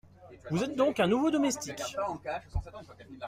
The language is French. Vous êtes donc un nouveau domestique ?